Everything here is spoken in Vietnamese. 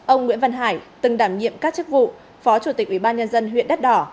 ông nguyễn văn hải từng đảm nhiệm các chức vụ phó chủ tịch ubnd huyện đất đỏ